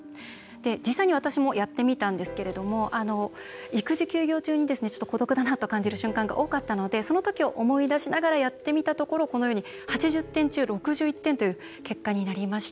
実際に私もやってみたんですけれども育児休業中に、孤独だなと感じる瞬間が多かったのでその時を思い出しながらやってみたところ、このように８０点中６１点という結果になりました。